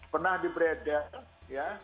pernah diberi adat ya